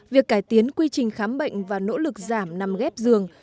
việc cải tiến quy trình khám bệnh và nỗ lực giảm nằm ghép giường